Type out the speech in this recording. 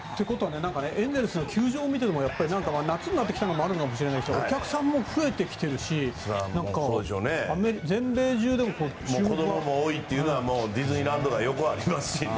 エンゼルスの球場を見ていても夏になったのもあるかもしれないけどお客さんも増えてきてるし子供が多いというのはディズニーランドが横にありますからね。